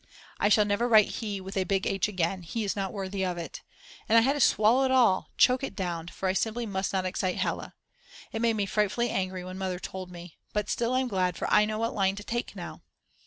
I shall never write he with a big h again; he is not worthy of it. And I had to swallow it all, choke it down, for I simply must not excite Hella. It made me frightfully angry when Mother told me, but still I'm glad for I know what line to take now.